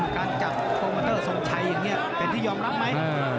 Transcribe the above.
การจับโปรโมเตอร์ทรงชัยอย่างนี้เป็นที่ยอมรับไหม